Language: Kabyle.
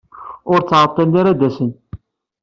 Ur ttɛeḍḍilen ara ad d-asen.